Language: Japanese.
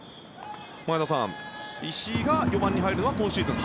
前田さん、石井が４番に入るのは今シーズン